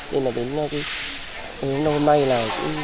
nên đến hôm nay là